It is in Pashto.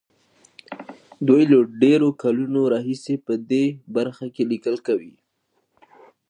دوی له ډېرو کلونو راهيسې په دې برخه کې ليکل کوي.